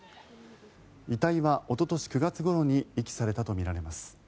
遺体はおととし９月ごろに遺棄されたとみられます。